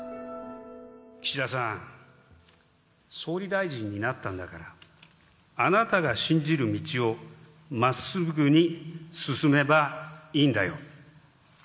岸田さん、総理大臣になったんだから、あなたが信じる道をまっすぐに進めばいいんだよ。